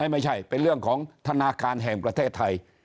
ไม่ใช่เป็นเรื่องของธนาคารแห่งประเทศไทย